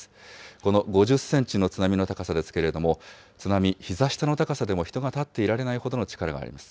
この５０センチの津波の高さですけれども、津波、ひざ下の高さでも人が立っていられないほどの力があります。